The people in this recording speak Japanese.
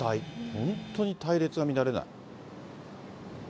本当に隊列が乱れない。